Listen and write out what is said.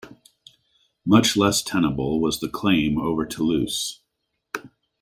Much less tenable was the claim over Toulouse.